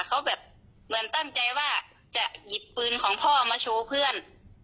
เขาแบบเหมือนตั้งใจว่าจะหยิบปืนของพ่อมาโชว์เพื่อน